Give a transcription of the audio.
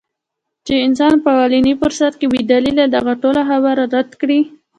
چې انسان پۀ اولني فرصت کښې بې دليله دغه ټوله خبره رد کړي -